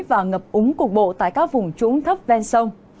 và ngập úng cục bộ tại các vùng trũng thấp ven sông